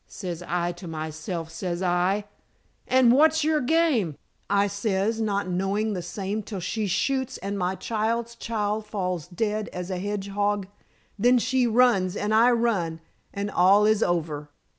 Says I to myself, says I, 'And what's your game?' I says, not knowing the same till she shoots and my child's child falls dead as a hedgehog. Then she runs and I run, and all is over."